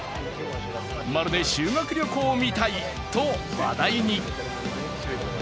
まるで修学旅行みたいと話題に。